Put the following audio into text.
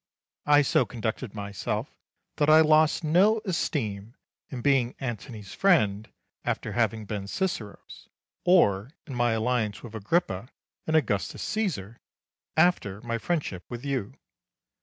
I so conducted myself that I lost no esteem in being Antony's friend after having been Cicero's, or in my alliance with Agrippa and Augustus Caesar after my friendship with you.